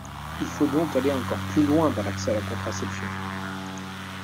Il faut donc aller encore plus loin dans l’accès à la contraception.